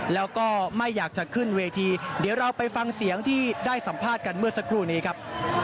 แล้วก็ไม่อยากจะขึ้นเวทีเดี๋ยวเราไปฟังเสียงที่ได้สัมภาษณ์กันเมื่อสักครู่นี้ครับ